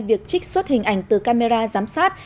việc trích xuất hình ảnh từ camera giám sát